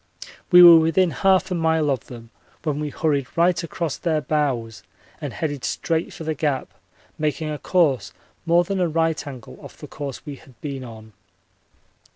We were within 1/2 a mile of them when we hurried right across their bows and headed straight for the Gap, making a course more than a right angle off the course we had been on.